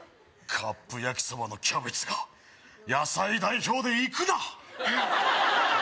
カップ焼きそばのキャベツが野菜代表で行くな！